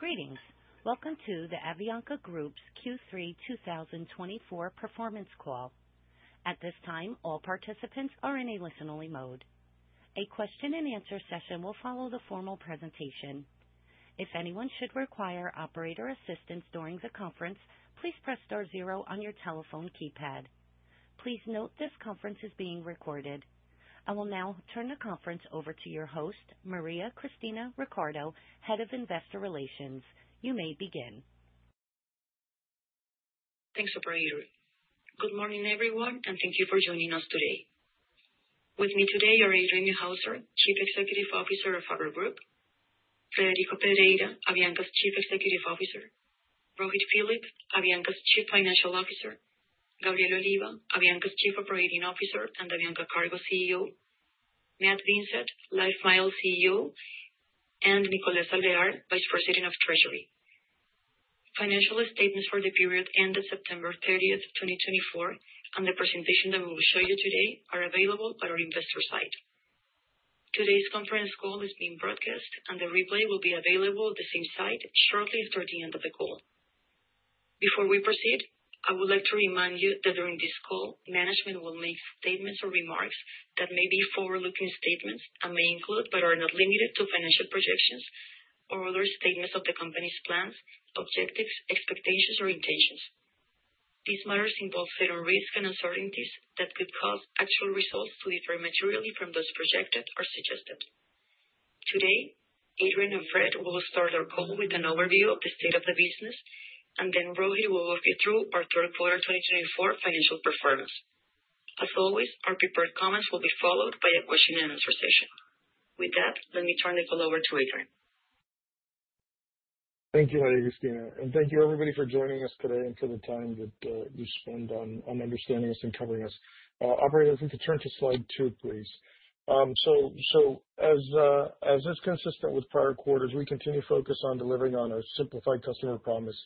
Greetings. Welcome to the Avianca Group's Q3 2024 performance call. At this time, all participants are in a listen-only mode. A question-and-answer session will follow the formal presentation. If anyone should require operator assistance during the conference, please press star zero on your telephone keypad. Please note this conference is being recorded. I will now turn the conference over to your host, Maria Cristina Ricardo, head of investor relations. You may begin. Thanks for being here. Good morning, everyone, and thank you for joining us today. With me today are Adrian Neuhauser, Chief Executive Officer of our group, Frederico Pedreira, Avianca's Chief Executive Officer, Rohit Philip, Avianca's Chief Financial Officer, Gabriel Oliva, Avianca's Chief Operating Officer and Avianca Cargo CEO, Matt Vincett, LifeMiles CEO, and Nicolas Alvear, Vice President of Treasury. Financial statements for the period ended September 30th, 2024, and the presentation that we will show you today are available on our investor site. Today's conference call is being broadcast, and the replay will be available at the same site shortly after the end of the call. Before we proceed, I would like to remind you that during this call, management will make statements or remarks that may be forward-looking statements and may include, but are not limited to, financial projections or other statements of the company's plans, objectives, expectations, or intentions. These matters involve certain risks and uncertainties that could cause actual results to differ materially from those projected or suggested. Today, Adrian and Fred will start our call with an overview of the state of the business, and then Rohit will walk you through our third quarter 2024 financial performance. As always, our prepared comments will be followed by a question-and-answer session. With that, let me turn the call over to Adrian. Thank you, Maria Cristina, and thank you, everybody, for joining us today and for the time that you spend on understanding us and covering us. Operator, if we could turn to slide two, please. So as is consistent with prior quarters, we continue to focus on delivering on our simplified customer promise,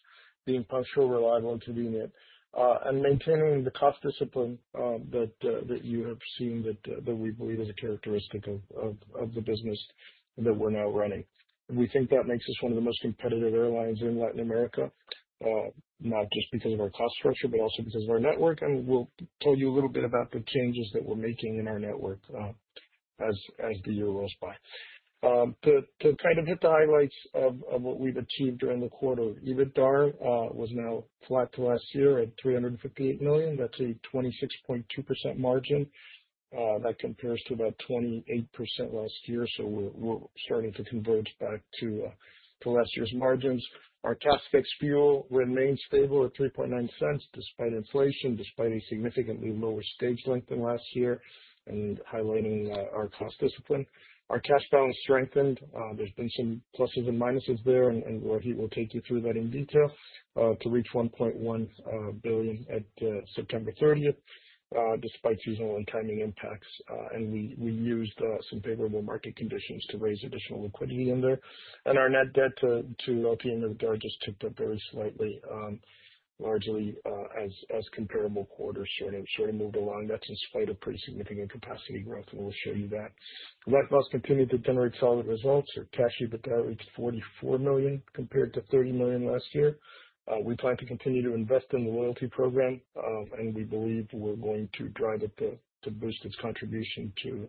being punctual, reliable, and convenient, and maintaining the cost discipline that you have seen that we believe is a characteristic of the business that we're now running. We think that makes us one of the most competitive airlines in Latin America, not just because of our cost structure, but also because of our network. And we'll tell you a little bit about the changes that we're making in our network as the year rolls by. To kind of hit the highlights of what we've achieved during the quarter, EBITDA was now flat to last year at $358 million. That's a 26.2% margin. That compares to about 28% last year. So we're starting to converge back to last year's margins. Our CASK ex fuel remains stable at 3.9 cents despite inflation, despite a significantly lower stage length than last year, and highlighting our cost discipline. Our cash balance strengthened. There's been some pluses and minuses there, and Rohit will take you through that in detail to reach $1.1 billion at September 30th despite seasonal and timing impacts. And we used some favorable market conditions to raise additional liquidity in there. And our net debt to LTM EBITDAR just tipped up very slightly, largely as comparable quarters sort of moved along. That's in spite of pretty significant capacity growth, and we'll show you that. LifeMiles continued to generate solid results. Our cash EBITDA reached $44 million compared to $30 million last year. We plan to continue to invest in the loyalty program, and we believe we're going to drive it to boost its contribution to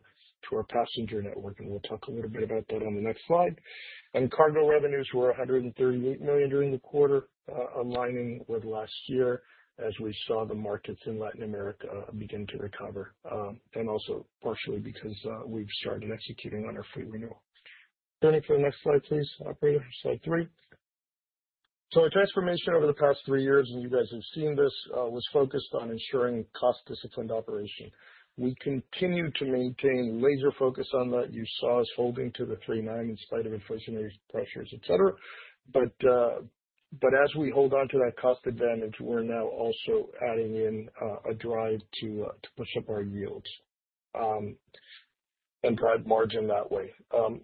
our passenger network, and we'll talk a little bit about that on the next slide, and cargo revenues were $138 million during the quarter, aligning with last year as we saw the markets in Latin America begin to recover, and also partially because we've started executing on our fleet renewal. Turning to the next slide, please, operator, slide three, so our transformation over the past three years, and you guys have seen this, was focused on ensuring cost-disciplined operation. We continue to maintain laser focus on that. You saw us holding to the 3.9 in spite of inflationary pressures, etc., but as we hold on to that cost advantage, we're now also adding in a drive to push up our yields and drive margin that way.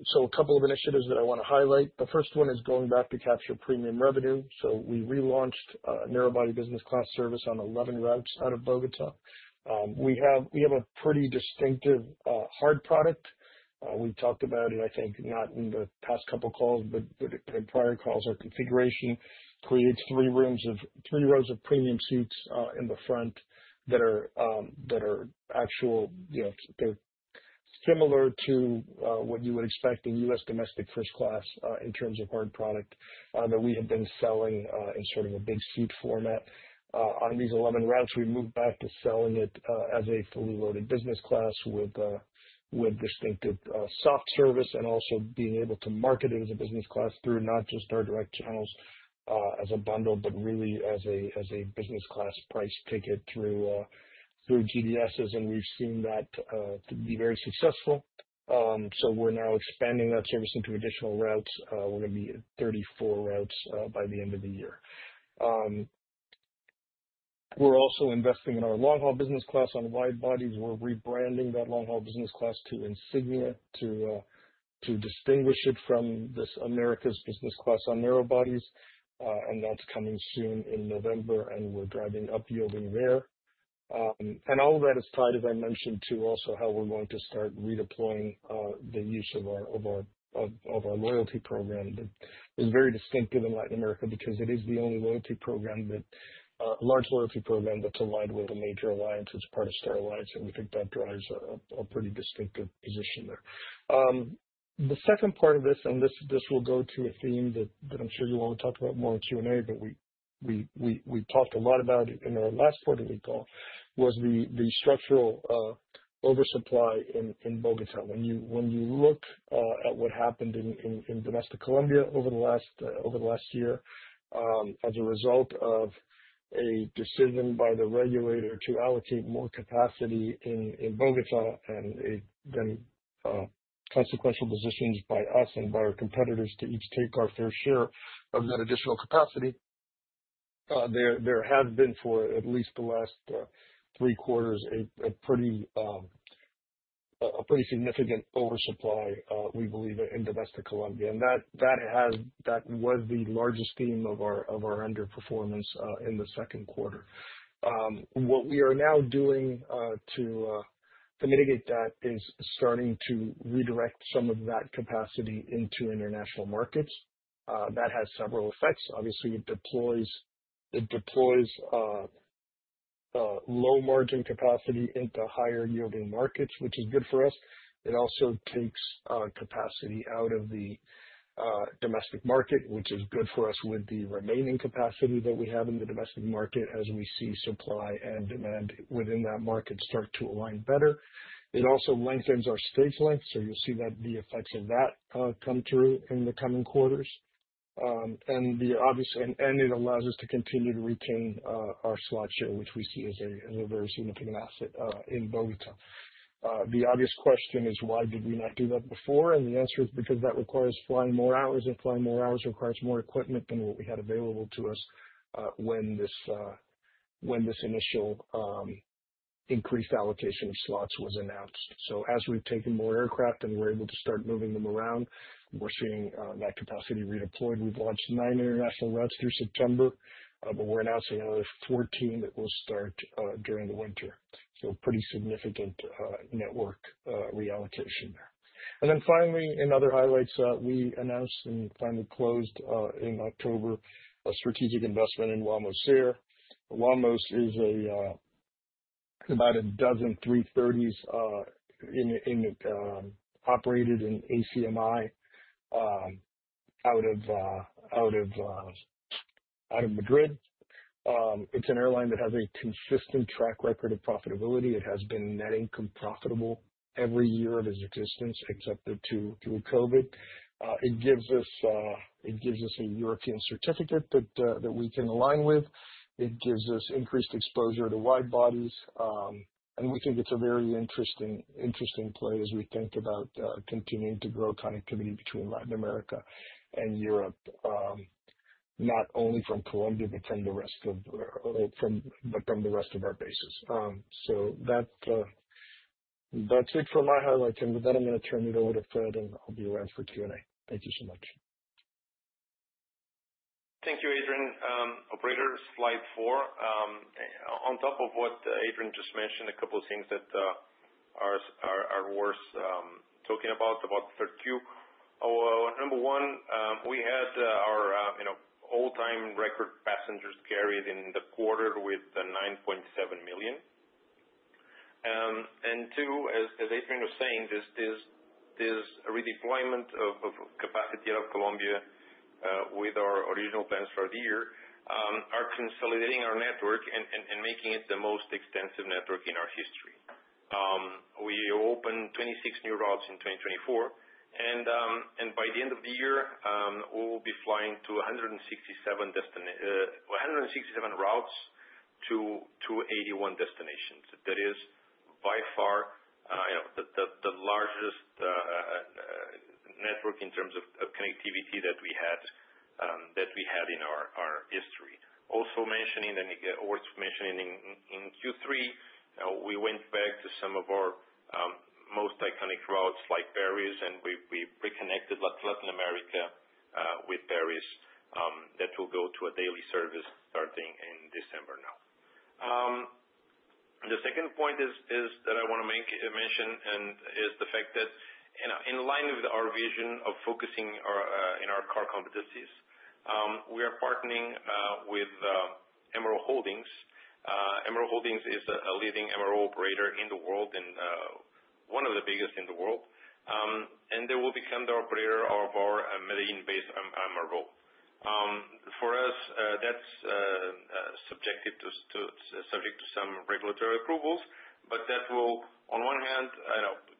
So a couple of initiatives that I want to highlight. The first one is going back to capture premium revenue. So we relaunched a narrowbody business class service on 11 routes out of Bogotá. We have a pretty distinctive hard product. We talked about it, I think, not in the past couple of calls, but in prior calls. Our configuration creates three rows of premium seats in the front that are actual, similar to what you would expect in U.S. domestic first class in terms of hard product that we have been selling in sort of a big seat format. On these 11 routes, we moved back to selling it as a fully loaded business class with distinctive soft service and also being able to market it as a business class through not just our direct channels as a bundle, but really as a business class price ticket through GDSs. We've seen that to be very successful. We're now expanding that service into additional routes. We're going to be at 34 routes by the end of the year. We're also investing in our long-haul business class on widebodies. We're rebranding that long-haul business class to Insignia to distinguish it from this Americas Business Class on narrowbodies. That's coming soon in November, and we're driving up yielding there. All of that is tied, as I mentioned, to also how we're going to start redeploying the use of our loyalty program. It's very distinctive in Latin America because it is the only loyalty program, large loyalty program that's aligned with a major alliance as part of Star Alliance. We think that drives a pretty distinctive position there. The second part of this, and this will go to a theme that I'm sure you all will talk about more in Q&A, but we talked a lot about it in our last quarterly call, was the structural oversupply in Bogotá. When you look at what happened in Domestic Colombia over the last year as a result of a decision by the regulator to allocate more capacity in Bogotá and then consequential positions by us and by our competitors to each take our fair share of that additional capacity, there has been for at least the last three quarters a pretty significant oversupply, we believe, in Domestic Colombia, and that was the largest theme of our underperformance in the second quarter. What we are now doing to mitigate that is starting to redirect some of that capacity into international markets. That has several effects. Obviously, it deploys low-margin capacity into higher-yielding markets, which is good for us. It also takes capacity out of the domestic market, which is good for us with the remaining capacity that we have in the domestic market as we see supply and demand within that market start to align better. It also lengthens our stage length. So you'll see that the effects of that come through in the coming quarters. And it allows us to continue to retain our slot share, which we see as a very significant asset in Bogotá. The obvious question is, why did we not do that before? And the answer is because that requires flying more hours, and flying more hours requires more equipment than what we had available to us when this initial increased allocation of slots was announced. So as we've taken more aircraft and we're able to start moving them around, we're seeing that capacity redeployed. We've launched nine international routes through September, but we're announcing another 14 that will start during the winter. So pretty significant network reallocation there. And then finally, in other highlights, we announced and finally closed in October a strategic investment in Wamos Air. Wamos Air is about a dozen 330s operated in ACMI out of Madrid. It's an airline that has a consistent track record of profitability. It has been net income profitable every year of its existence, except through COVID. It gives us a European certificate that we can align with. It gives us increased exposure to wide bodies. And we think it's a very interesting play as we think about continuing to grow connectivity between Latin America and Europe, not only from Colombia, but from the rest of our bases. So that's it for my highlights. And with that, I'm going to turn it over to Fred, and I'll be around for Q&A. Thank you so much. Thank you, Adrian. Operator, slide four. On top of what Adrian just mentioned, a couple of things that are worth talking about, about the third quarter. Number one, we had our all-time record passengers carried in the quarter with 9.7 million. And two, as Adrian was saying, this redeployment of capacity out of Colombia with our original plans for the year are consolidating our network and making it the most extensive network in our history. We opened 26 new routes in 2024. And by the end of the year, we'll be flying to 167 routes to 81 destinations. That is by far the largest network in terms of connectivity that we had in our history. Also mentioning, and worth mentioning in Q3, we went back to some of our most iconic routes like Paris and reconnected Latin America with Paris that will go to a daily service starting in December now. The second point that I want to mention is the fact that in line with our vision of focusing in our core competencies, we are partnering with MRO Holdings. MRO Holdings is a leading MRO operator in the world and one of the biggest in the world. And they will become the operator of our Medellín-based MRO. For us, that's subject to some regulatory approvals, but that will, on one hand,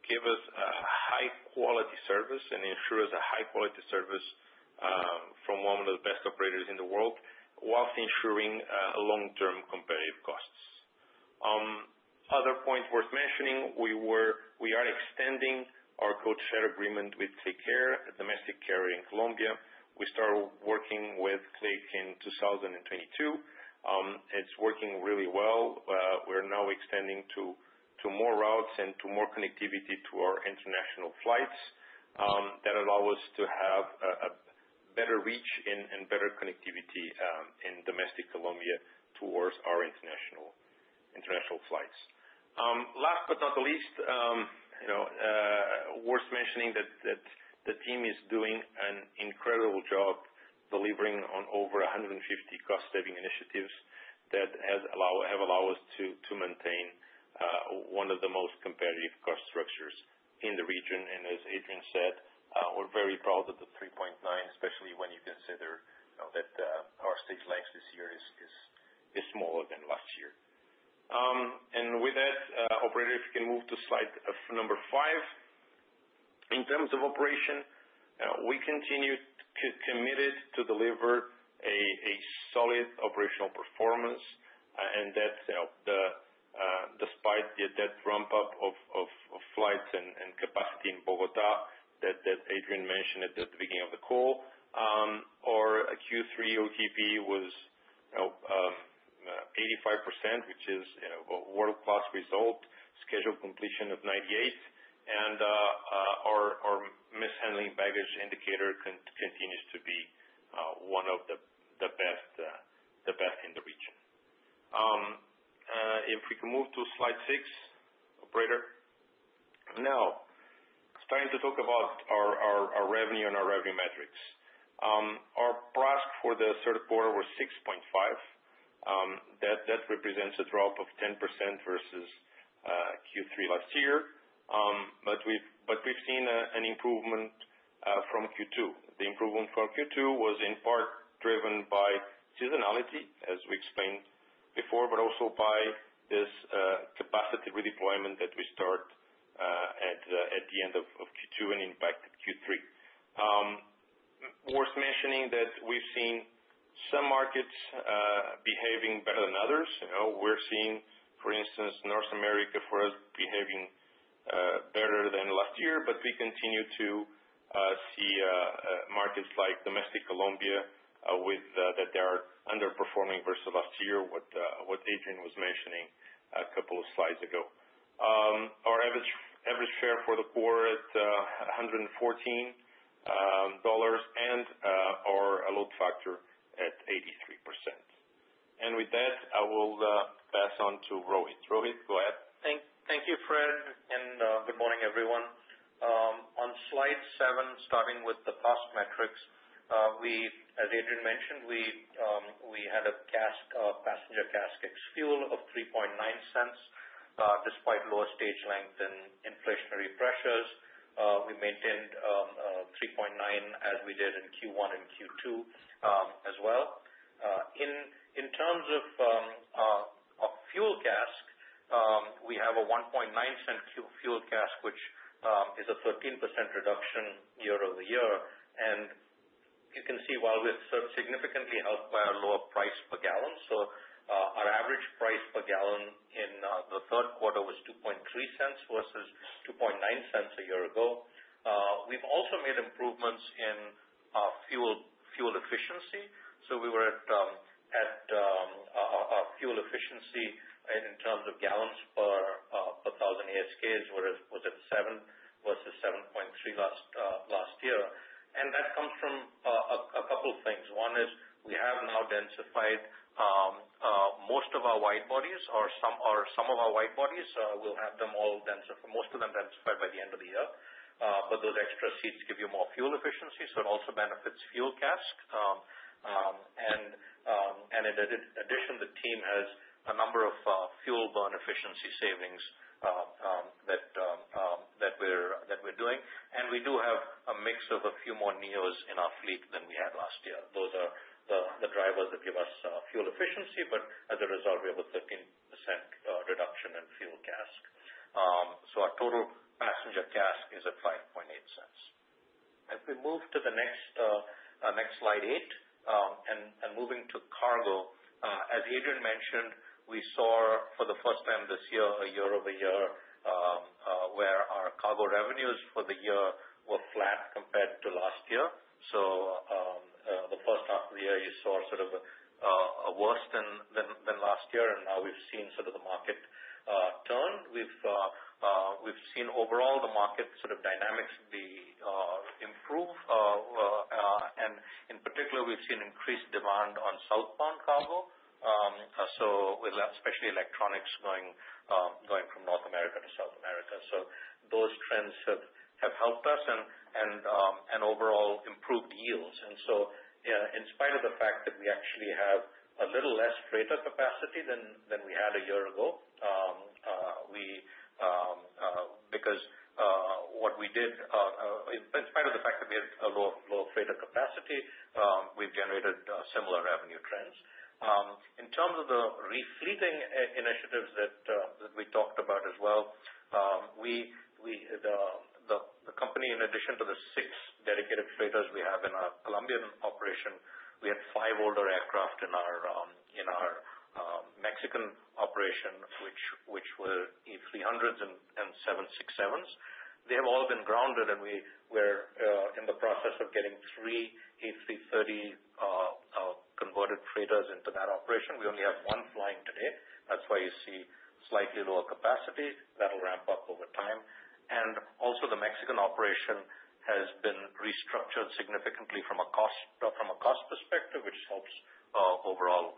give us a high-quality service and ensure us a high-quality service from one of the best operators in the world while ensuring long-term competitive costs. Other point worth mentioning, we are extending our code-share agreement with Clic Air, a domestic carrier in Colombia. We started working with Clic Air in 2022. It's working really well. We're now extending to more routes and to more connectivity to our international flights that allow us to have a better reach and better connectivity in domestic Colombia towards our international flights. Last but not the least, worth mentioning that the team is doing an incredible job delivering on over 150 cost-saving initiatives that have allowed us to maintain one of the most competitive cost structures in the region. And as Adrian said, we're very proud of the 3.9, especially when you consider that our stage length this year is smaller than last year. And with that, operator, if you can move to slide number five. In terms of operation, we continue to be committed to deliver a solid operational performance. That despite the ramp-up of flights and capacity in Bogotá that Adrian mentioned at the beginning of the call, our Q3 OTP was 85%, which is a world-class result, scheduled completion of 98%. Our mishandling baggage indicator continues to be one of the best in the region. If we can move to slide six, operator. Now, starting to talk about our revenue and our revenue metrics. Our PRASM for the third quarter was 6.5. That represents a drop of 10% versus Q3 last year. But we've seen an improvement from Q2. The improvement from Q2 was in part driven by seasonality, as we explained before, but also by this capacity redeployment that we start at the end of Q2 and impacted Q3. Worth mentioning that we've seen some markets behaving better than others. We're seeing, for instance, North America for us behaving better than last year, but we continue to see markets like domestic Colombia that they are underperforming versus last year, what Adrian was mentioning a couple of slides ago. Our average fare for the quarter at $114 and our load factor at 83%. And with that, I will pass on to Rohit. Rohit, go ahead. Thank you, Fred, and good morning, everyone. On slide seven, starting with the cost metrics, as Adrian mentioned, we had a passenger CASK ex-fuel of 3.9 cents despite lower stage length and inflationary pressures. We maintained 3.9 as we did in Q1 and Q2 as well. In terms of fuel CASK, we have a 1.9-cent fuel CASK, which is a 13% reduction year-over-year. And you can see while we've significantly helped by our lower price per gallon. So our average price per gallon in the third quarter was $2.3 versus $2.9 a year ago. We've also made improvements in fuel efficiency. So we were at fuel efficiency in terms of gallons per 1,000 ASKs, whereas it was at 7 versus 7.3 last year. And that comes from a couple of things. One is we have now densified most of our wide bodies. Some of our wide bodies will have them all densified, most of them densified by the end of the year. But those extra seats give you more fuel efficiency. So it also benefits fuel CASK. And in addition, the team has a number of fuel burn efficiency savings that we're doing. And we do have a mix of a few more Neos in our fleet than we had last year. Those are the drivers that give us fuel efficiency, but as a result, we have a 13% reduction in fuel CASK. So our total passenger CASK is at 5.8 cents. As we move to the next slide eight, and moving to cargo, as Adrian mentioned, we saw for the first time this year a year-over-year where our cargo revenues for the year were flat compared to last year. So the first half of the year, you saw sort of a worse than last year. And now we've seen sort of the market turn. We've seen overall the market sort of dynamics improve. And in particular, we've seen increased demand on southbound cargo, especially electronics going from North America to South America. So those trends have helped us and overall improved yields. And so in spite of the fact that we actually have a little less freighter capacity than we had a year ago, because what we did, in spite of the fact that we had a lower freighter capacity, we've generated similar revenue trends. In terms of the refleeting initiatives that we talked about as well, the company, in addition to the six dedicated freighters we have in our Colombian operation, we had five older aircraft in our Mexican operation, which were A300s and 767s. They have all been grounded, and we're in the process of getting three A330 converted freighters into that operation. We only have one flying today. That's why you see slightly lower capacity. That'll ramp up over time. And also the Mexican operation has been restructured significantly from a cost perspective, which helps overall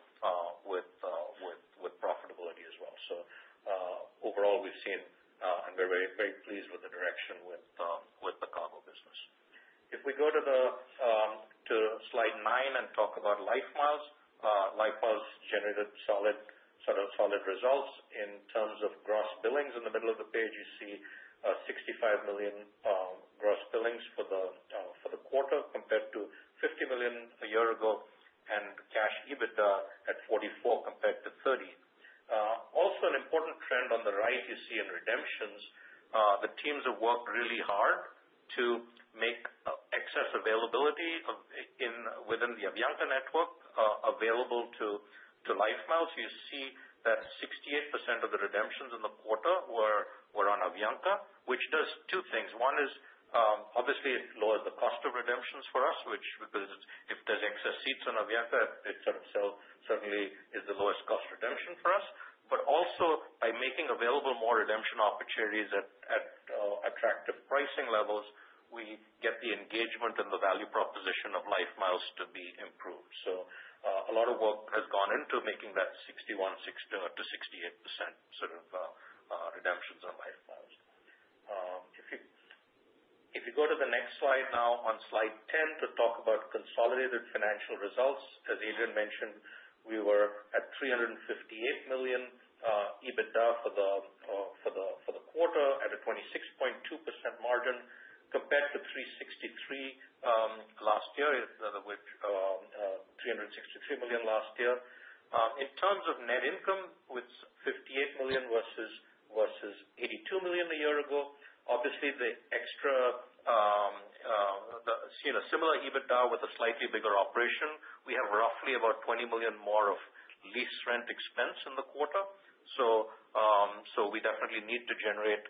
with profitability as well. So overall, we've seen, and we're very pleased with the direction with the cargo business. If we go to slide nine and talk about LifeMiles, LifeMiles generated sort of solid results. In terms of gross billings, in the middle of the page, you see $65 million gross billings for the quarter compared to $50 million a year ago, and cash EBITDA at $44 million compared to $30 million. Also, an important trend on the right you see in redemptions: the teams have worked really hard to make excess availability within the Avianca network available to LifeMiles. You see that 68% of the redemptions in the quarter were on Avianca, which does two things. One is obviously it lowers the cost of redemptions for us, which because if there's excess seats on Avianca, it certainly is the lowest cost redemption for us. But also by making available more redemption opportunities at attractive pricing levels, we get the engagement and the value proposition of LifeMiles to be improved. So a lot of work has gone into making that 61%-68% sort of redemptions on LifeMiles. If you go to the next slide now on slide 10 to talk about consolidated financial results, as Adrian mentioned, we were at $358 million EBITDA for the quarter at a 26.2% margin compared to 363 last year, which 363 million last year. In terms of net income, with $58 million versus $82 million a year ago, obviously the extra similar EBITDA with a slightly bigger operation, we have roughly about $20 million more of lease rent expense in the quarter. So we definitely need to generate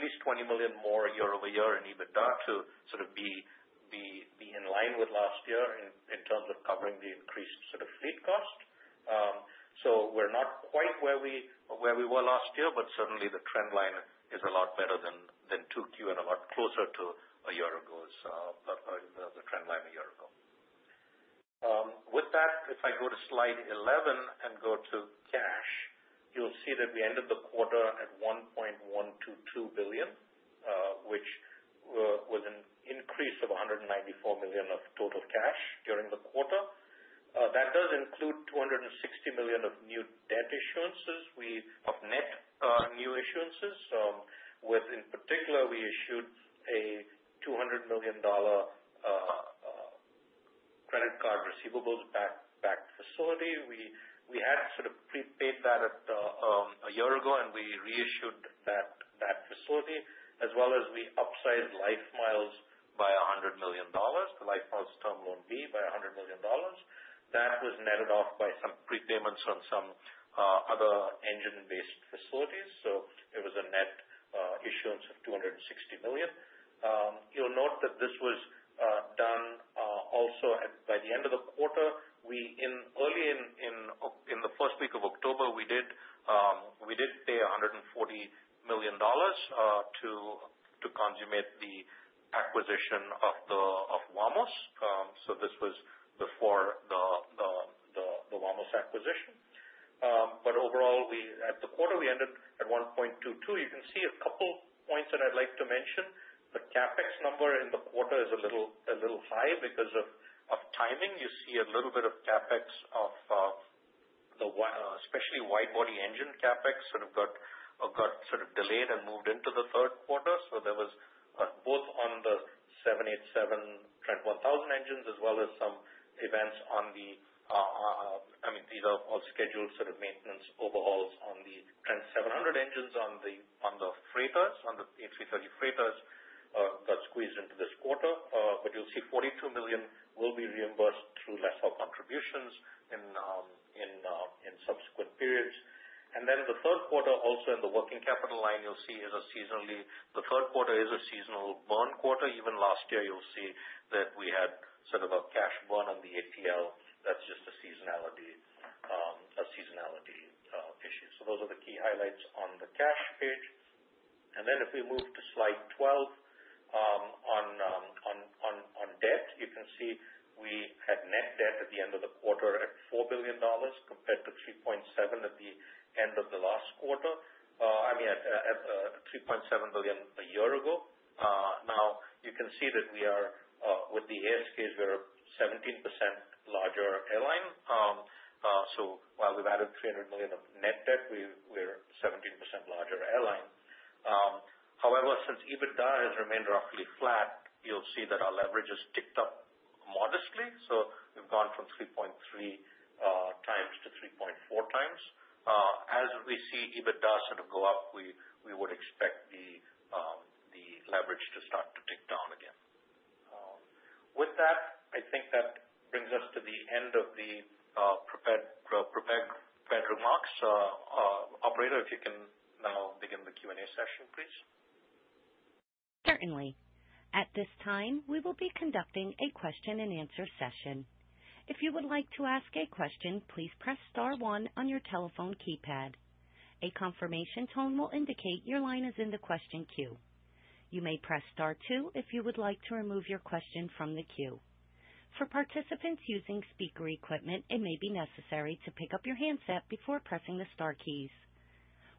at least $20 million more year-over-year in EBITDA to sort of be in line with last year in terms of covering the increased sort of fleet cost. So we're not quite where we were last year, but certainly the trend line is a lot better than 2Q and a lot closer to a year ago's trend line a year ago. With that, if I go to slide 11 and go to cash, you'll see that we ended the quarter at $1.122 billion, which was an increase of $194 million of total cash during the quarter. That does include $260 million of net new issuances. In particular, we issued a $200 million credit card receivables backed facility. We had sort of prepaid that a year ago, and we reissued that facility as well as we upsized LifeMiles by $100 million, the LifeMiles term loan B by $100 million. That was netted off by some prepayments on some other engine-based facilities. So it was a net issuance of $260 million. You'll note that this was done also by the end of the quarter. Early in the first week of October, we did pay $140 million to consummate the acquisition of Wamos. So this was before the Wamos acquisition. But overall, at the quarter, we ended at 1.22. You can see a couple points that I'd like to mention. The CAPEX number in the quarter is a little high because of timing. You see a little bit of CAPEX, especially wide body engine CAPEX, sort of got sort of delayed and moved into the third quarter. So there was both on the 787 Trent 1000 engines as well as some events on the I mean, these are all scheduled sort of maintenance overhauls on the Trent 700 engines on the freighters, on the A330 freighters, got squeezed into this quarter. But you'll see $42 million will be reimbursed through lesser contributions in subsequent periods. And then the third quarter, also in the working capital line, you'll see is seasonally the third quarter is a seasonal burn quarter. Even last year, you'll see that we had sort of a cash burn on the ATL. That's just a seasonality issue. So those are the key highlights on the cash page. And then if we move to slide 12 on debt, you can see we had net debt at the end of the quarter at $4 billion compared to $3.7 billion at the end of the last quarter. I mean, at $3.7 billion a year ago. Now, you can see that we are with the ASKs, we're a 17% larger airline. So while we've added $300 million of net debt, we're a 17% larger airline. However, since EBITDA has remained roughly flat, you'll see that our leverage has ticked up modestly. So we've gone from 3.3 times to 3.4 times. As we see EBITDA sort of go up, we would expect the leverage to start to tick down again. With that, I think that brings us to the end of the prepared remarks. Operator, if you can now begin the Q&A session, please. Certainly. At this time, we will be conducting a question-and-answer session. If you would like to ask a question, please press star one on your telephone keypad. A confirmation tone will indicate your line is in the question queue. You may press star two if you would like to remove your question from the queue. For participants using speaker equipment, it may be necessary to pick up your handset before pressing the star keys.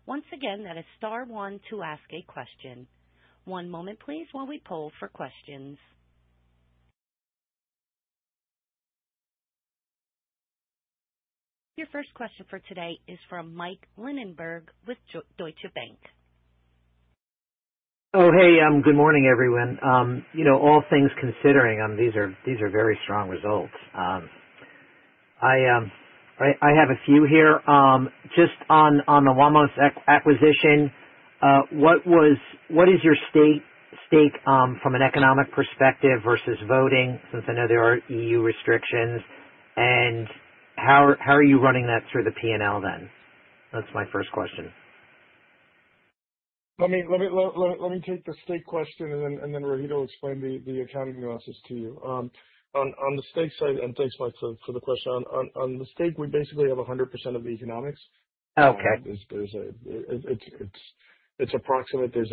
Once again, that is star one to ask a question. One moment, please, while we poll for questions. Your first question for today is from Mike Linenberg with Deutsche Bank. Oh, hey, good morning, everyone. All things considered, these are very strong results. I have a few here. Just on the Wamos acquisition, what is your stake from an economic perspective versus voting, since I know there are EU restrictions? And how are you running that through the P&L then? That's my first question. Let me take the stake question and then Rohit will explain the accounting analysis to you. On the stake side, and thanks, Mike, for the question. On the stake, we basically have 100% of the economics. There's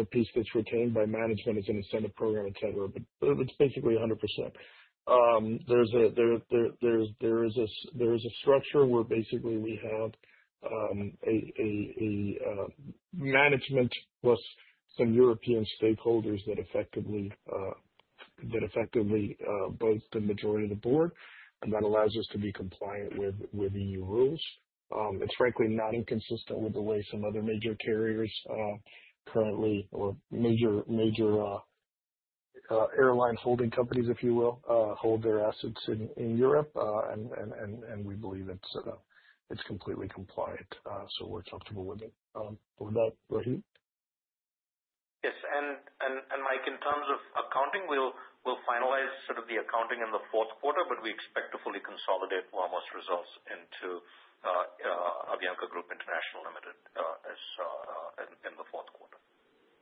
a piece that's retained by management. It's an incentive program, etc. But it's basically 100%. There is a structure where basically we have a management plus some European stakeholders that effectively boast the majority of the board, and that allows us to be compliant with EU rules. It's frankly not inconsistent with the way some other major carriers currently, or major airline holding companies, if you will, hold their assets in Europe. And we believe it's completely compliant. So we're comfortable with it. With that, Rohit? Yes. And Mike, in terms of accounting, we'll finalize sort of the accounting in the fourth quarter, but we expect to fully consolidate Wamos results into Avianca Group International Limited in the fourth quarter.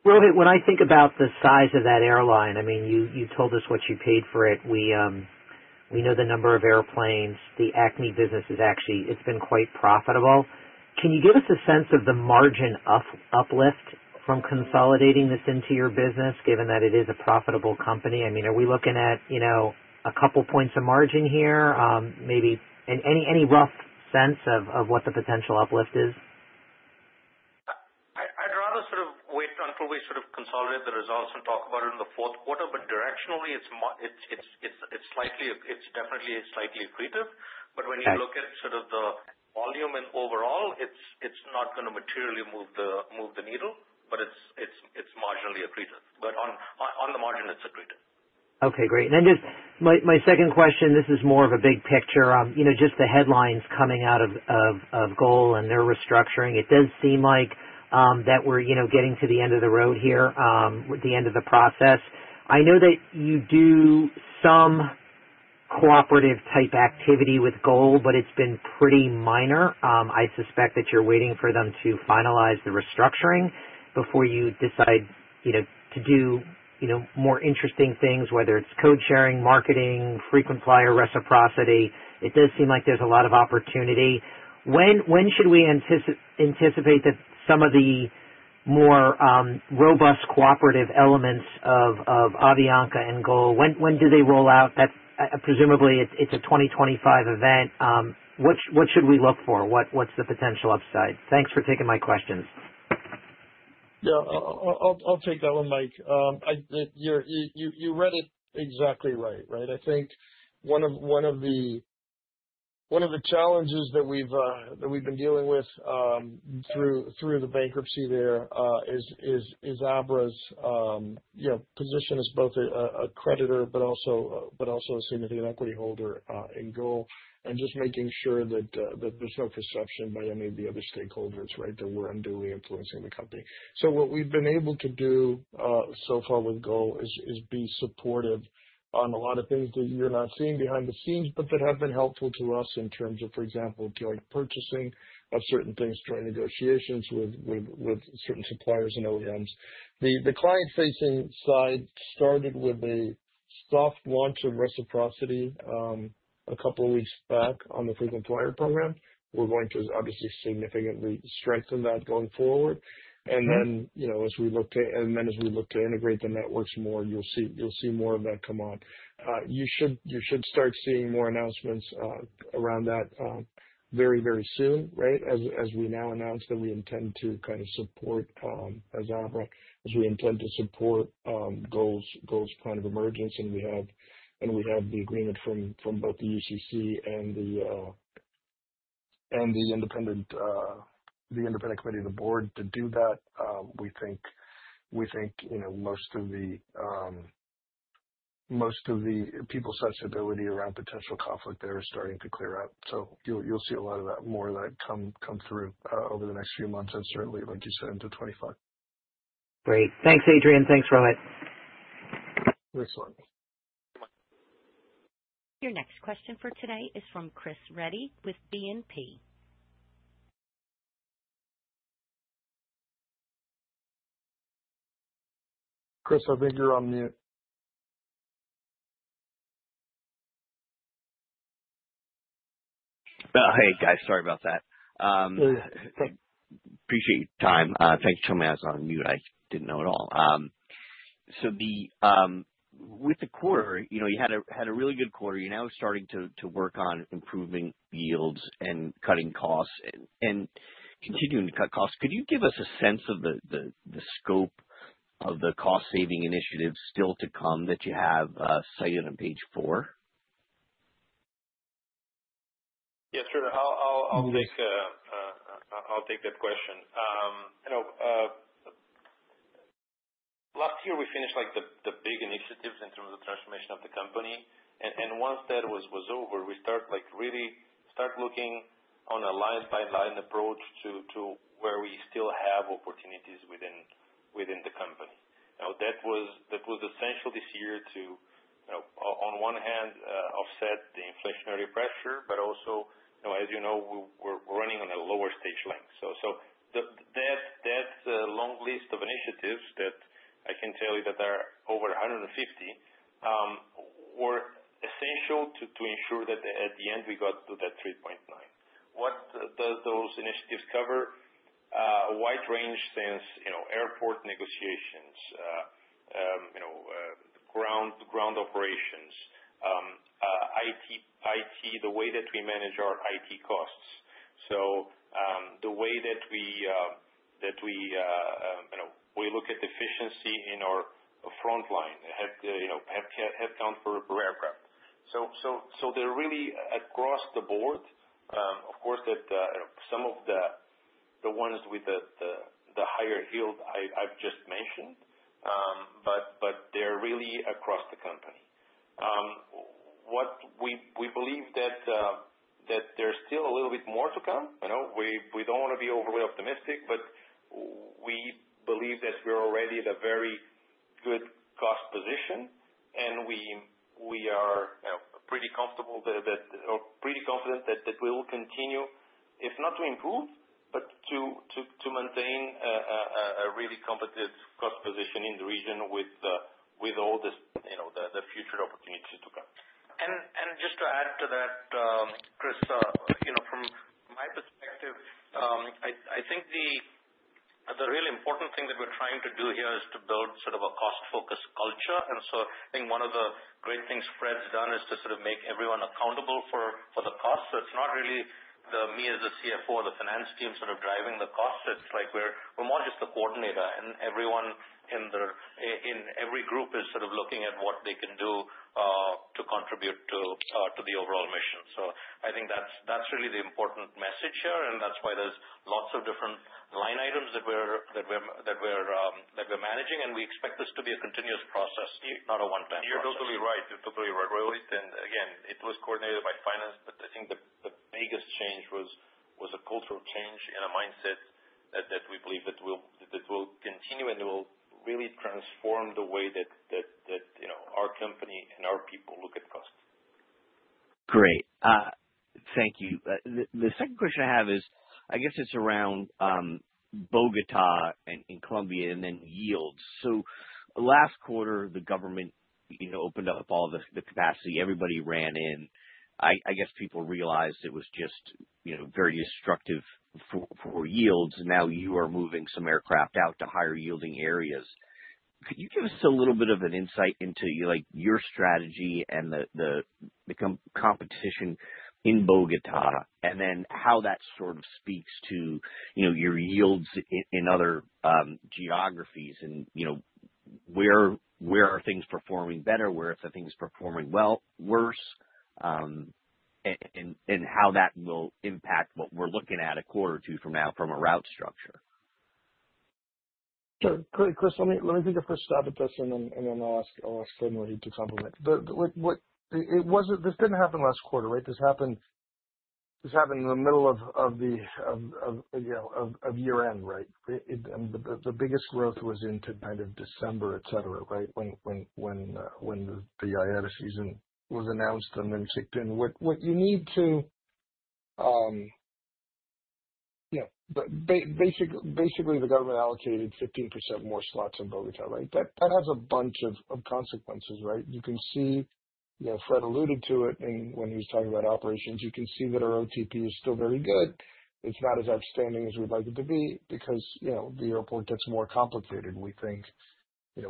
When I think about the size of that airline, I mean, you told us what you paid for it. We know the number of airplanes. The ACMI business has actually been quite profitable. Can you give us a sense of the margin uplift from consolidating this into your business, given that it is a profitable company? I mean, are we looking at a couple points of margin here? Maybe any rough sense of what the potential uplift is? I'd rather sort of wait until we sort of consolidate the results and talk about it in the fourth quarter. But directionally, it's definitely slightly accretive. But when you look at sort of the volume and overall, it's not going to materially move the needle, but it's marginally accretive. But on the margin, it's accretive. Okay, great. And then just my second question, this is more of a big picture. Just the headlines coming out of GOL and their restructuring, it does seem like that we're getting to the end of the road here, the end of the process. I know that you do some cooperative-type activity with GOL, but it's been pretty minor. I suspect that you're waiting for them to finalize the restructuring before you decide to do more interesting things, whether it's code-sharing, marketing, frequent flyer reciprocity. It does seem like there's a lot of opportunity. When should we anticipate that some of the more robust cooperative elements of Avianca and GOL? When do they roll out? Presumably, it's a 2025 event. What should we look for? What's the potential upside? Thanks for taking my questions. Yeah, I'll take that one, Mike. You read it exactly right, right? I think one of the challenges that we've been dealing with through the bankruptcy there is Abra Group's position as both a creditor but also a significant equity holder in GOL, and just making sure that there's no perception by any of the other stakeholders, right, that we're unduly influencing the company. So what we've been able to do so far with GOL is be supportive on a lot of things that you're not seeing behind the scenes, but that have been helpful to us in terms of, for example, purchasing of certain things, trying negotiations with certain suppliers and OEMs. The client-facing side started with a soft launch of reciprocity a couple of weeks back on the frequent flyer program. We're going to obviously significantly strengthen that going forward. And then as we look to integrate the networks more, you'll see more of that come on. You should start seeing more announcements around that very, very soon, right, as we now announce that we intend to kind of support, as Abra, as we intend to support GOL's plan of emergence. And we have the agreement from both the UCC and the independent committee of the board to do that. We think most of the people's sensibility around potential conflict there is starting to clear out. So you'll see a lot of that, more of that come through over the next few months and certainly, like you said, into 2025. Great. Thanks, Adrian. Thanks, Robert. Excellent. Your next question for today is from Chris Raedy with BNP. Chris, I think you're on mute. Hey, guys. Sorry about that. Appreciate your time. Thanks for telling me I was on mute. I didn't know at all. So with the quarter, you had a really good quarter. You're now starting to work on improving yields and cutting costs and continuing to cut costs. Could you give us a sense of the scope of the cost-saving initiatives still to come that you have cited on page four? Yes, sure. I'll take that question. Last year, we finished the big initiatives in terms of transformation of the company. And once that was over, we start looking on a line-by-line approach to where we still have opportunities within the company. That was essential this year to, on one hand, offset the inflationary pressure, but also, as you know, we're running on a lower stage length. So that long list of initiatives that I can tell you that there are over 150 were essential to ensure that at the end, we got to that 3.9. What do those initiatives cover? A wide range since airport negotiations, ground operations, IT, the way that we manage our IT costs. So the way that we look at efficiency in our front line, headcount per aircraft. So they're really across the board. Of course, some of the ones with the higher yield I've just mentioned, but they're really across the company. We believe that there's still a little bit more to come. We don't want to be overly optimistic, but we believe that we're already at a very good cost position, and we are pretty confident that we will continue, if not to improve, but to maintain a really competitive cost position in the region with all the future opportunities to come. And just to add to that, Chris, from my perspective, I think the really important thing that we're trying to do here is to build sort of a cost-focused culture. And so I think one of the great things Fred's done is to sort of make everyone accountable for the cost. So it's not really me as the CFO or the finance team sort of driving the cost. It's like we're more just the coordinator, and everyone in every group is sort of looking at what they can do to contribute to the overall mission. So I think that's really the important message here, and that's why there's lots of different line items that we're managing, and we expect this to be a continuous process, not a one-time process. You're totally right. You're totally right. Rohit, again, it was coordinated by finance, but I think the biggest change was a cultural change and a mindset that we believe that will continue and will really transform the way that our company and our people look at cost. Great. Thank you. The second question I have is, I guess it's around Bogotá and Colombia and then yields. So last quarter, the government opened up all the capacity. Everybody ran in. I guess people realized it was just very destructive for yields. Now you are moving some aircraft out to higher yielding areas. Could you give us a little bit of an insight into your strategy and the competition in Bogotá, and then how that sort of speaks to your yields in other geographies? And where are things performing better? Where are things performing worse? And how that will impact what we're looking at a quarter or two from now from a route structure? Sure. Chris, let me take a first stab at this, and then I'll ask Rohit to complement. This didn't happen last quarter, right? This happened in the middle of year-end, right? The biggest growth was into kind of December, etc., right, when the holiday season was announced and then kicked in. What you need to basically, the government allocated 15% more slots in Bogotá, right? That has a bunch of consequences, right? You can see Fred alluded to it when he was talking about operations. You can see that our OTP is still very good. It's not as outstanding as we'd like it to be because the airport gets more complicated.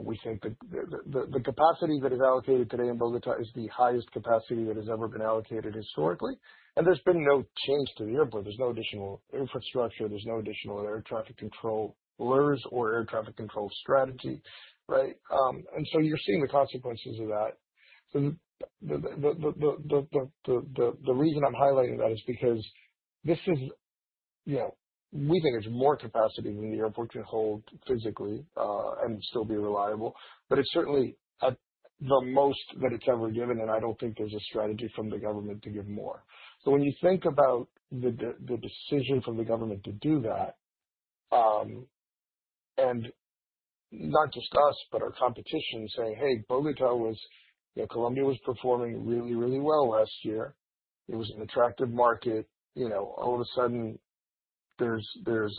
We think that the capacity that is allocated today in Bogotá is the highest capacity that has ever been allocated historically. And there's been no change to the airport. There's no additional infrastructure. There's no additional air traffic controllers or air traffic control strategy, right? And so you're seeing the consequences of that. So the reason I'm highlighting that is because this is, we think, it's more capacity than the airport can hold physically and still be reliable. But it's certainly the most that it's ever given, and I don't think there's a strategy from the government to give more. So when you think about the decision from the government to do that, and not just us, but our competition saying, "Hey, Bogotá, Colombia, was performing really, really well last year. It was an attractive market. All of a sudden, there's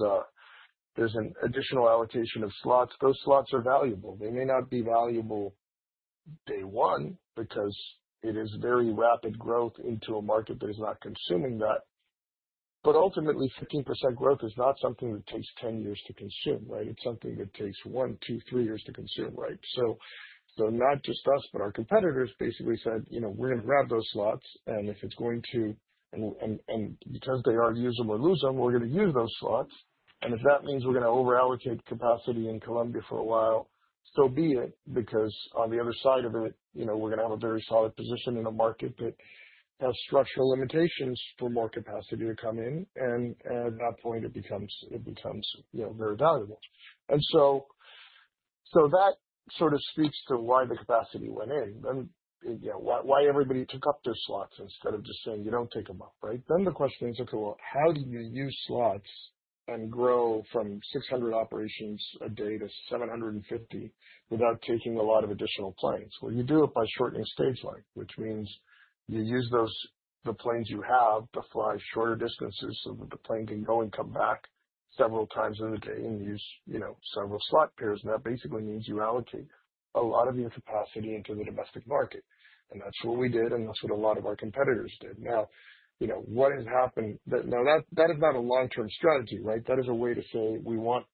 an additional allocation of slots." Those slots are valuable. They may not be valuable day one because it is very rapid growth into a market that is not consuming that. But ultimately, 15% growth is not something that takes 10 years to consume, right? It's something that takes one, two, three years to consume, right? So not just us, but our competitors basically said, "We're going to grab those slots. And if it's going to, and because they are usable or lose them, we're going to use those slots. And if that means we're going to overallocate capacity in Colombia for a while, so be it, because on the other side of it, we're going to have a very solid position in a market that has structural limitations for more capacity to come in. And at that point, it becomes very valuable." And so that sort of speaks to why the capacity went in, why everybody took up their slots instead of just saying, "You don't take them up," right? Then the question is, "Okay, well, how do you use slots and grow from 600 operations a day to 750 without taking a lot of additional planes?" Well, you do it by shortening stage length, which means you use the planes you have to fly shorter distances so that the plane can go and come back several times in a day and use several slot pairs. And that basically means you allocate a lot of your capacity into the domestic market. And that's what we did, and that's what a lot of our competitors did. Now, what has happened now, that is not a long-term strategy, right? That is a way to say, "We want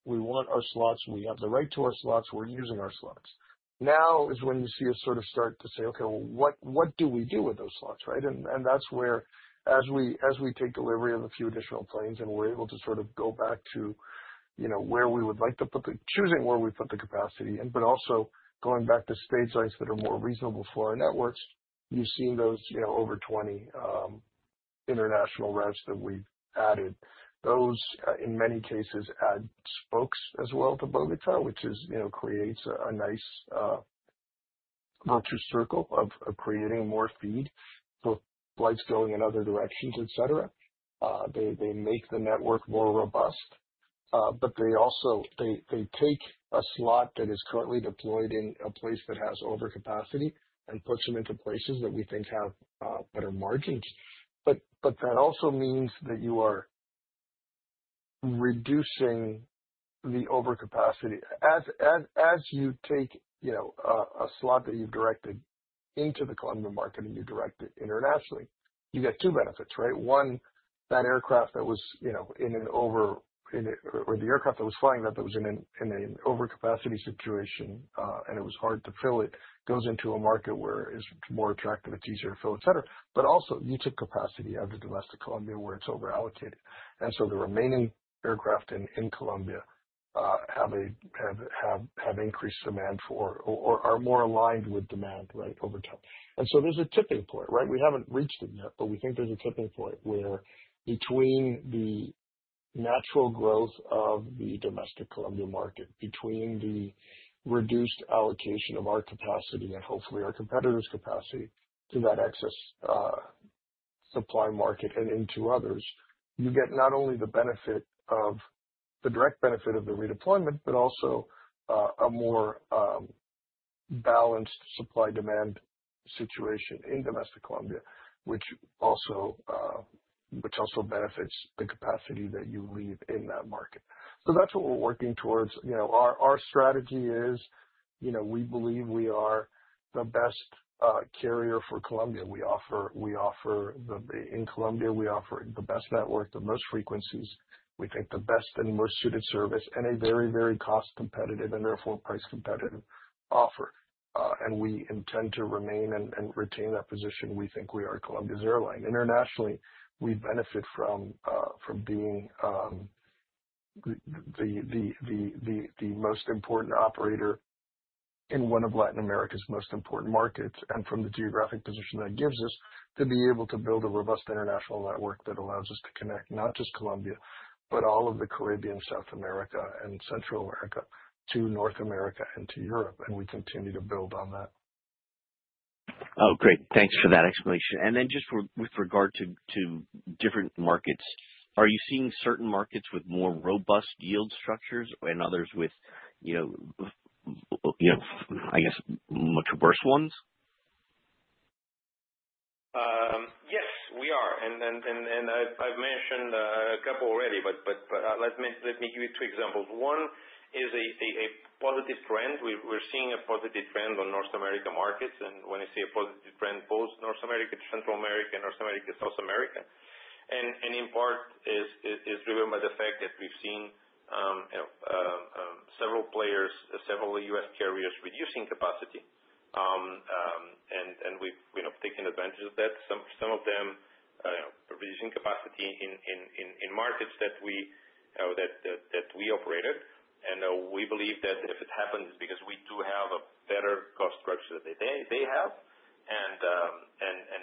our slots. We have the right to our slots. We're using our slots." Now is when you see us sort of start to say, "Okay, well, what do we do with those slots?" Right? That's where, as we take delivery of a few additional planes and we're able to sort of go back to where we would like to put the choosing where we put the capacity, but also going back to stage lengths that are more reasonable for our networks, you've seen those over 20 international routes that we've added. Those, in many cases, add spokes as well to Bogotá, which creates a nice virtual circle of creating more feed for flights going in other directions, etc. They make the network more robust, but they take a slot that is currently deployed in a place that has overcapacity and puts them into places that we think have better margins. But that also means that you are reducing the overcapacity. As you take a slot that you've directed into the Colombia market and you direct it internationally, you get two benefits, right? One, that aircraft that was in an overcapacity situation and it was hard to fill. It goes into a market where it's more attractive, it's easier to fill, etc. But also, you took capacity out of domestic Colombia where it's overallocated. And so the remaining aircraft in Colombia have increased demand for or are more aligned with demand, right, over time. And so there's a tipping point, right? We haven't reached it yet, but we think there's a tipping point where between the natural growth of the domestic Colombia market, between the reduced allocation of our capacity and hopefully our competitors' capacity to that excess supply market and into others, you get not only the benefit of the direct benefit of the redeployment, but also a more balanced supply-demand situation in domestic Colombia, which also benefits the capacity that you leave in that market. So that's what we're working towards. Our strategy is we believe we are the best carrier for Colombia. In Colombia, we offer the best network, the most frequencies, we think the best and most suited service, and a very, very cost-competitive and therefore price-competitive offer. And we intend to remain and retain that position. We think we are Colombia's airline. Internationally, we benefit from being the most important operator in one of Latin America's most important markets and from the geographic position that gives us to be able to build a robust international network that allows us to connect not just Colombia, but all of the Caribbean, South America, and Central America to North America and to Europe, and we continue to build on that. Oh, great. Thanks for that explanation. And then just with regard to different markets, are you seeing certain markets with more robust yield structures and others with, I guess, much worse ones? Yes, we are. And I've mentioned a couple already, but let me give you two examples. One is a positive trend. We're seeing a positive trend on North America markets. And when I say a positive trend, both North America to Central America and North America to South America. And in part, it's driven by the fact that we've seen several players, several U.S. carriers reducing capacity. And we've taken advantage of that. Some of them are reducing capacity in markets that we operated. And we believe that if it happens, it's because we do have a better cost structure than they have. And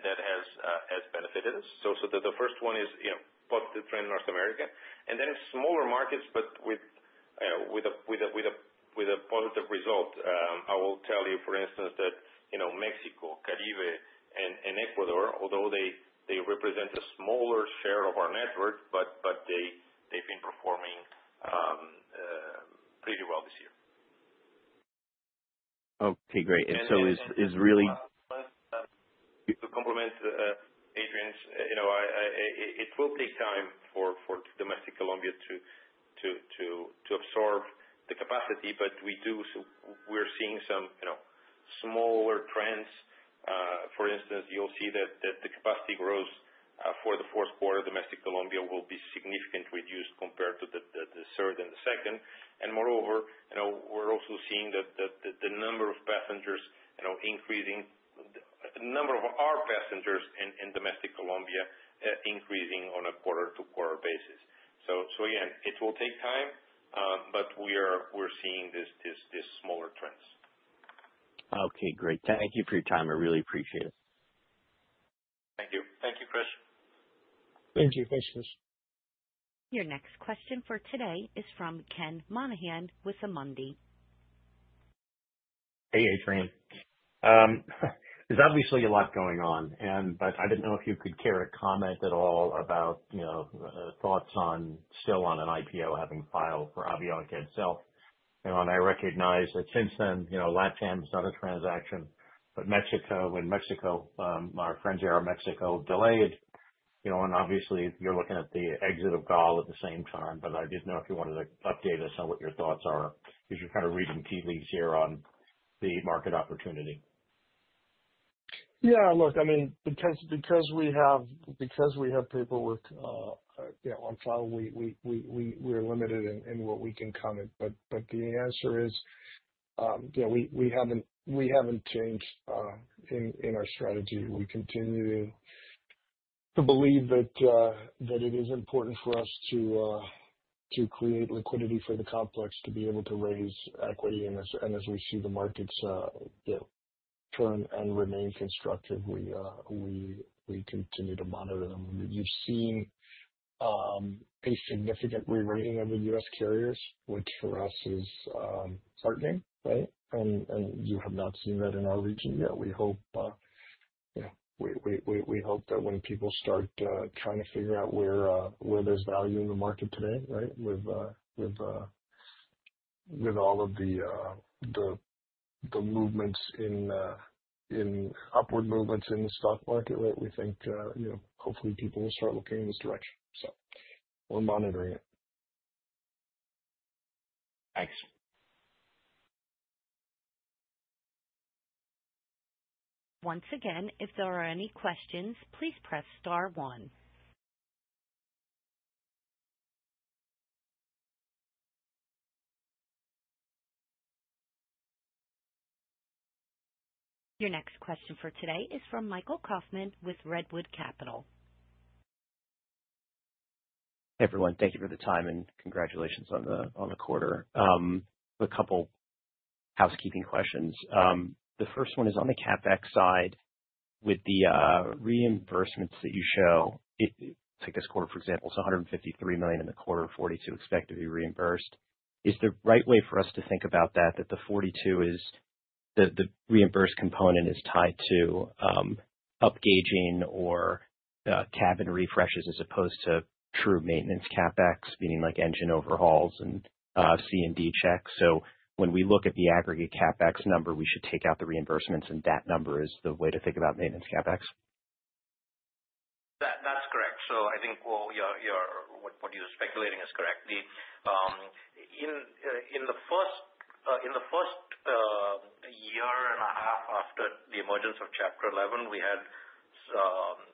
that has benefited us. So the first one is positive trend in North America. And then smaller markets, but with a positive result. I will tell you, for instance, that Mexico, Caribbean, and Ecuador, although they represent a smaller share of our network, but they've been performing pretty well this year. Okay, great. And so is really. But to complement Adrian's, it will take time for domestic Colombia to absorb the capacity, but we're seeing some smaller trends. For instance, you'll see that the capacity growth for the fourth quarter domestic Colombia will be significantly reduced compared to the third and the second. And moreover, we're also seeing that the number of passengers increasing, the number of our passengers in domestic Colombia increasing on a quarter-to-quarter basis. So again, it will take time, but we're seeing these smaller trends. Okay, great. Thank you for your time. I really appreciate it. Thank you. Thank you, Chris. Thank you. Thanks, Chris. Your next question for today is from Ken Monaghan with Amundi. Hey, Adrian. There's obviously a lot going on, but I didn't know if you could care to comment at all about thoughts still on an IPO having filed for Avianca itself. I recognize that since then, LATAM is not a transaction, but Mexico, when Mexico, our friends here in Mexico, delayed. Obviously, you're looking at the exit of GOL at the same time, but I didn't know if you wanted to update us on what your thoughts are because you're kind of reading tea leaves here on the market opportunity. Yeah. Look, I mean, because we have paperwork on file, we are limited in what we can comment. But the answer is we haven't changed in our strategy. We continue to believe that it is important for us to create liquidity for the complex to be able to raise equity. And as we see the markets turn and remain constructive, we continue to monitor them. You've seen a significant re-rating of the U.S. carriers, which for us is heartening, right? And you have not seen that in our region yet. We hope that when people start trying to figure out where there's value in the market today, right, with all of the movements in upward movements in the stock market, right, we think hopefully people will start looking in this direction. So we're monitoring it. Thanks. Once again, if there are any questions, please press star one. Your next question for today is from Michael Kaufman with Redwood Capital. Hey, everyone. Thank you for the time and congratulations on the quarter. A couple of housekeeping questions. The first one is on the CapEx side with the reimbursements that you show. Take this quarter, for example. It's $153 million, and $42 million expected to be reimbursed. Is the right way for us to think about that, that the $42 million is the reimbursed component is tied to upgauging or cabin refreshes as opposed to true maintenance CapEx, meaning like engine overhauls and C and D checks? So when we look at the aggregate CapEx number, we should take out the reimbursements, and that number is the way to think about maintenance CapEx? That's correct. So I think what you're speculating is correct. In the first year and a half after the emergence of Chapter 11, we had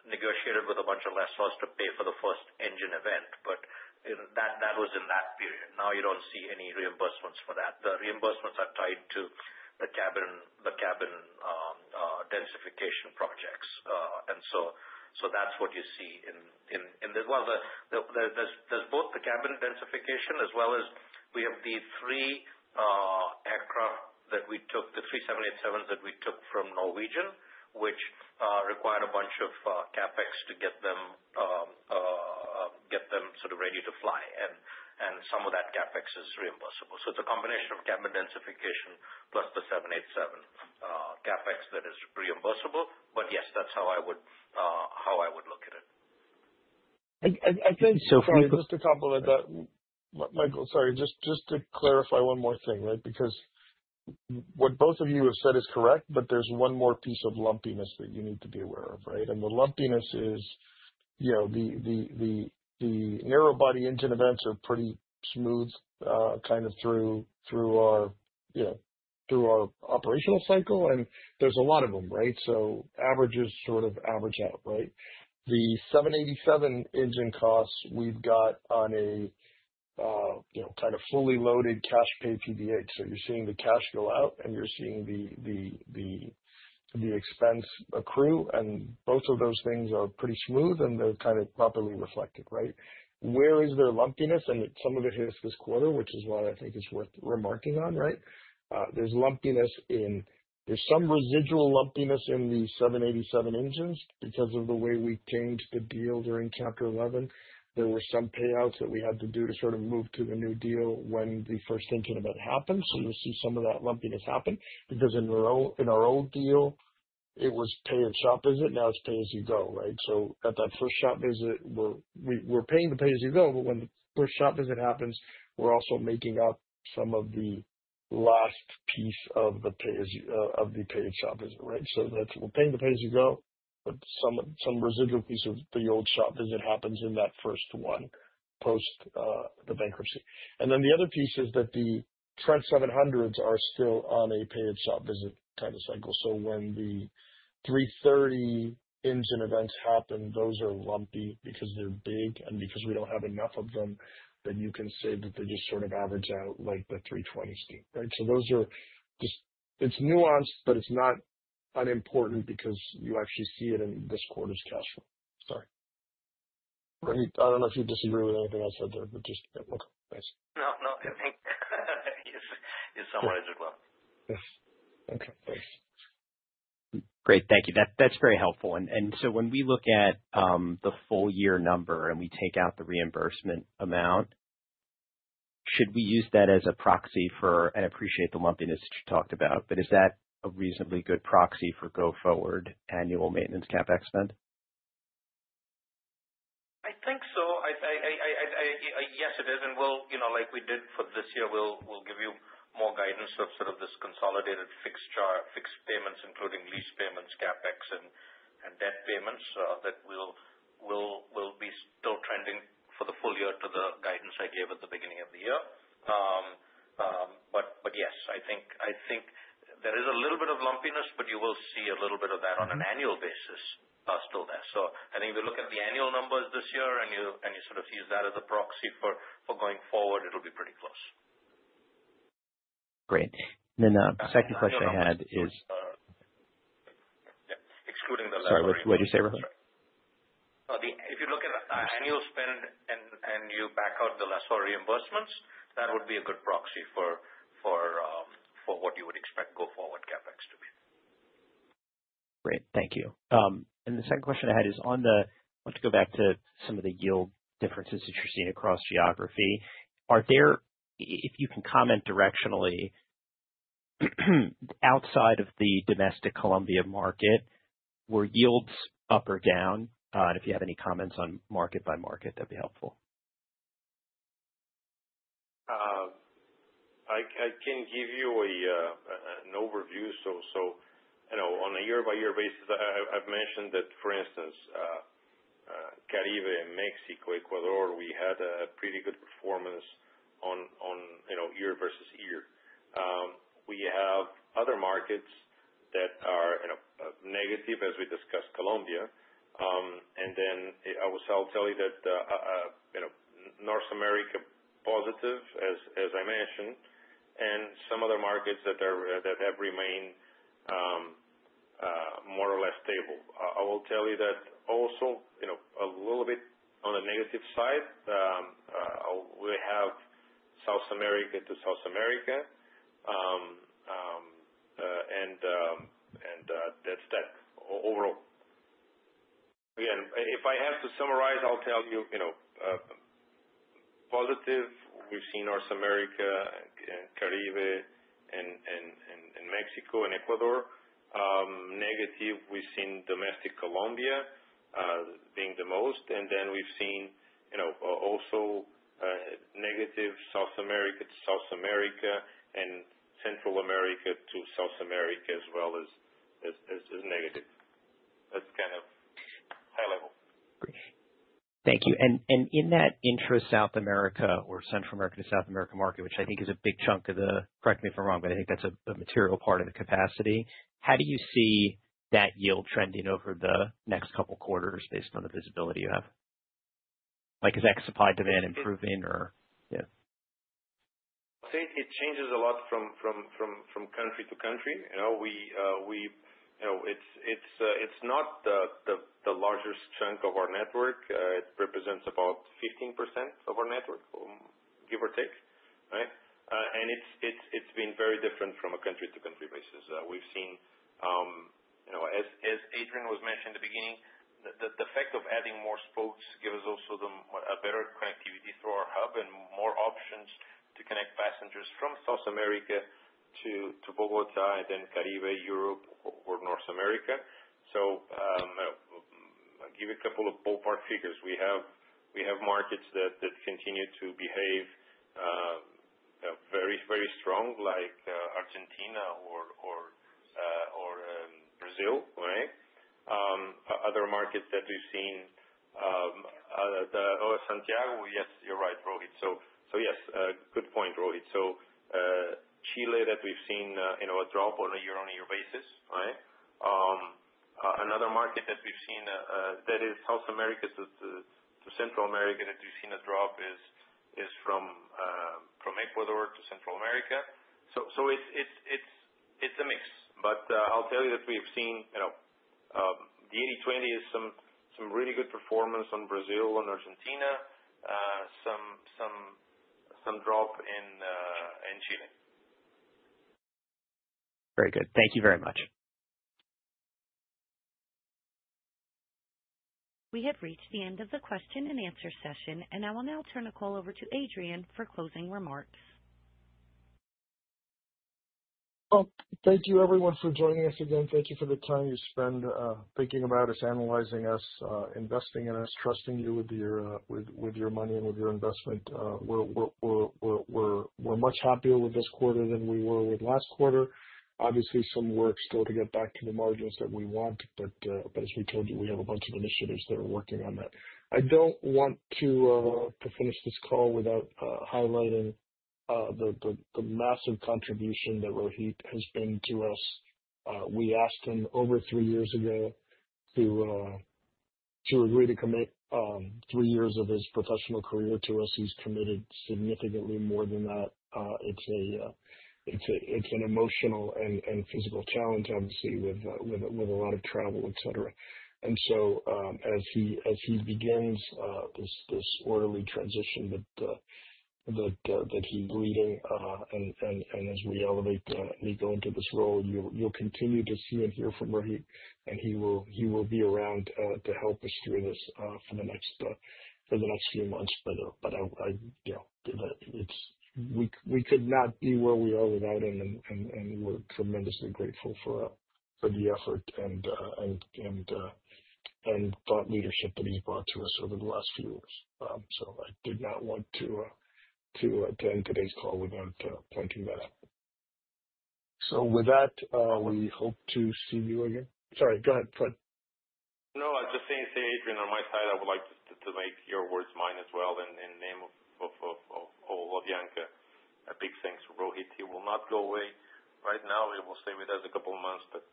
negotiated with a bunch of lessors to pay for the first engine event, but that was in that period. Now, you don't see any reimbursements for that. The reimbursements are tied to the cabin densification projects, and so that's what you see, and there's both the cabin densification as well as we have the three aircraft that we took, the three 787s that we took from Norwegian, which required a bunch of CapEx to get them sort of ready to fly, and some of that CapEx is reimbursable, so it's a combination of cabin densification plus the 787 CapEx that is reimbursable. But yes, that's how I would look at it. I think. Just to complement that, Michael, sorry, just to clarify one more thing, right? Because what both of you have said is correct, but there's one more piece of lumpiness that you need to be aware of, right? And the lumpiness is the narrow-body engine events are pretty smooth kind of through our operational cycle, and there's a lot of them, right? So averages sort of average out, right? The 787 engine costs we've got on a kind of fully loaded cash pay PBH. So you're seeing the cash go out, and you're seeing the expense accrue. And both of those things are pretty smooth, and they're kind of properly reflected, right? Where is their lumpiness? And some of it hits this quarter, which is why I think it's worth remarking on, right? There's some residual lumpiness in the 787 engines because of the way we changed the deal during Chapter 11. There were some payouts that we had to do to sort of move to the new deal when the first engine event happened. So you'll see some of that lumpiness happen because in our old deal, it was pay-as-you-shop visit. Now it's pay-as-you-go, right? So at that first shop visit, we're paying the pay-as-you-go, but when the first shop visit happens, we're also making up some of the last piece of the pay-as-you-shop visit, right? So we're paying the pay-as-you-go, but some residual piece of the old shop visit happens in that first one post the bankruptcy. And then the other piece is that the Trent 700s are still on a pay-as-you-shop visit kind of cycle. So when the A330 engine events happen, those are lumpy because they're big and because we don't have enough of them. Then you can say that they just sort of average out like the A320s do, right? So it's nuanced, but it's not unimportant because you actually see it in this quarter's cash flow. Sorry. I don't know if you disagree with anything I said there, but just okay. Thanks. No, no. I think you summarized it well. Yes. Okay. Thanks. Great. Thank you. That's very helpful. And so when we look at the full year number and we take out the reimbursement amount, should we use that as a proxy for I appreciate the lumpiness that you talked about, but is that a reasonably good proxy for go forward annual maintenance CapEx spend? I think so. Yes, it is, and like we did for this year, we'll give you more guidance of sort of this consolidated fixed payments, including lease payments, CapEx, and debt payments that will be still trending for the full year to the guidance I gave at the beginning of the year, but yes, I think there is a little bit of lumpiness, but you will see a little bit of that on an annual basis still there, so I think if you look at the annual numbers this year and you sort of use that as a proxy for going forward, it'll be pretty close. Great, and then the second question I had is. Excluding the last. Sorry, what did you say, Rohit? If you look at annual spend and you back out the lessor reimbursements, that would be a good proxy for what you would expect going forward CAPEX to be. Great. Thank you. And the second question I had is, I want to go back to some of the yield differences that you're seeing across geography. If you can comment directionally outside of the domestic Colombia market, were yields up or down? And if you have any comments on market by market, that'd be helpful. I can give you an overview. So on a year-by-year basis, I've mentioned that, for instance, Caribbean, Mexico, Ecuador, we had a pretty good performance on year versus year. We have other markets that are negative, as we discussed Colombia. And then I will tell you that North America positive, as I mentioned, and some other markets that have remained more or less stable. I will tell you that also a little bit on the negative side, we have South America to South America. And that's that overall. Again, if I have to summarize, I'll tell you positive, we've seen North America, Caribbean, and Mexico and Ecuador. Negative, we've seen domestic Colombia being the most. And then we've seen also negative South America to South America and Central America to South America as well as negative. That's kind of high level. Great. Thank you. And in that intra-South America or Central America to South America market, which I think is a big chunk of the, correct me if I'm wrong, but I think that's a material part of the capacity, how do you see that yield trending over the next couple of quarters based on the visibility you have? Is that supply-demand improving or yeah? I think it changes a lot from country to country. It's not the largest chunk of our network. It represents about 15% of our network, give or take, right? And it's been very different from a country-to-country basis. We've seen, as Adrian was mentioning in the beginning, the fact of adding more spokes gives us also a better connectivity through our hub and more options to connect passengers from South America to Bogotá and then Caribbean, Europe, or North America. So I'll give you a couple of ballpark figures. We have markets that continue to behave very, very strong, like Argentina or Brazil, right? Other markets that we've seen, Santiago, yes, you're right, Rohit. So yes, good point, Rohit. So Chile that we've seen a drop on a year-on-year basis, right? Another market that we've seen that is South America to Central America that we've seen a drop is from Ecuador to Central America. So it's a mix. But I'll tell you that we've seen the 80/20 is some really good performance on Brazil, on Argentina, some drop in Chile. Very good. Thank you very much. We have reached the end of the question and answer session, and I will now turn the call over to Adrian for closing remarks. Thank you, everyone, for joining us again. Thank you for the time you spend thinking about us, analyzing us, investing in us, trusting you with your money and with your investment. We're much happier with this quarter than we were with last quarter. Obviously, some work still to get back to the margins that we want, but as we told you, we have a bunch of initiatives that are working on that. I don't want to finish this call without highlighting the massive contribution that Rohit has been to us. We asked him over three years ago to agree to commit three years of his professional career to us. He's committed significantly more than that. It's an emotional and physical challenge, obviously, with a lot of travel, etc. And so as he begins this orderly transition that he's leading, and as we go into this role, you'll continue to see and hear from Rohit, and he will be around to help us through this for the next few months. But we could not be where we are without him, and we're tremendously grateful for the effort and thought leadership that he's brought to us over the last few years. So I did not want to end today's call without pointing that out. So with that, we hope to see you again. Sorry, go ahead, Fred. No, I was just saying to Adrian on my side, I would like to make your words mine as well in the name of Avianca. A big thanks to Rohit. He will not go away right now. He will stay with us a couple of months, but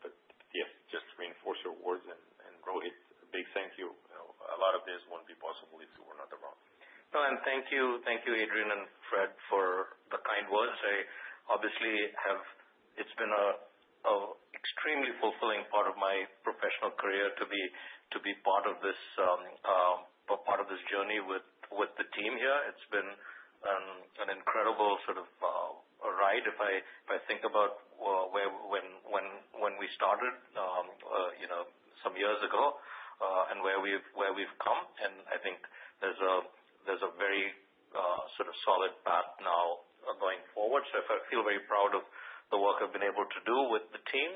yes, just to reinforce your words. And Rohit, a big thank you. A lot of this wouldn't be possible if you were not around. And thank you, Adrian and Fred, for the kind words. I obviously, it's been an extremely fulfilling part of my professional career to be part of this part of this journey with the team here. It's been an incredible sort of ride. If I think about when we started some years ago and where we've come, and I think there's a very sort of solid path now going forward. So I feel very proud of the work I've been able to do with the team.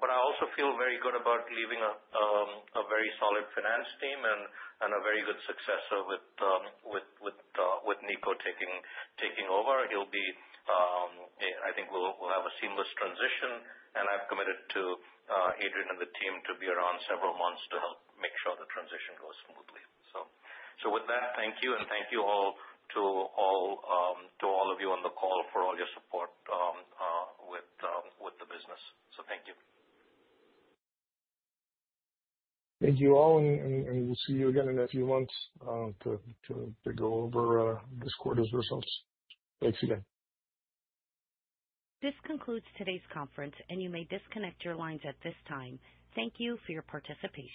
But I also feel very good about leaving a very solid finance team and a very good successor with Nico taking over. I think we'll have a seamless transition, and I've committed to Adrian and the team to be around several months to help make sure the transition goes smoothly. So with that, thank you, and thank you all to all of you on the call for all your support with the business. So thank you. Thank you all, and we'll see you again in a few months to go over this quarter's results. Thanks again. This concludes today's conference, and you may disconnect your lines at this time. Thank you for your participation.